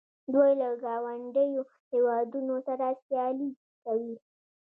دوی له ګاونډیو هیوادونو سره سیالي کوي.